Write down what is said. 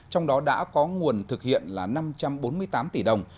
trong đó đã có nguồn thực hiện là năm trăm bốn mươi tám tỷ đồng